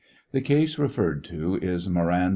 The case referred to is "Moran vs.